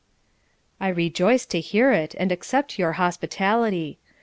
'I rejoice to hear it, and accept your hospitality.